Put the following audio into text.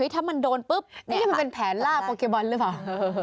ถ้ามันโดนปุ๊บนี่มันเป็นแผนล่าโปเกบอลหรือเปล่า